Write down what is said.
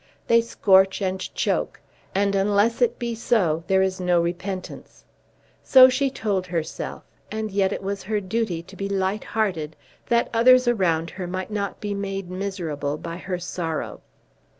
They scorch and choke; and unless it be so there is no repentance. So she told herself, and yet it was her duty to be light hearted that others around her might not be made miserable by her sorrow!